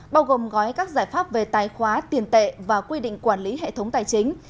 bao gồm gói các giải pháp về tài khoá tiền tệ và quy định quản lý hệ thống tài chính